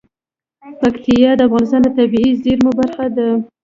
پکتیا د افغانستان د طبیعي زیرمو برخه ده.